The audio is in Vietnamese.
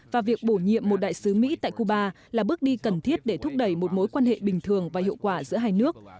và việc bổ nhiệm một đại sứ mỹ tại cuba là bước đi cần thiết để thúc đẩy một mối quan hệ bình thường và hiệu quả giữa hai nước